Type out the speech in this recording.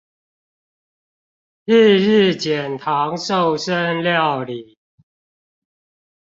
日日減醣瘦身料理